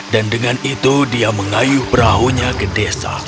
dan dengan itu dia mengayuh perahunya ke desa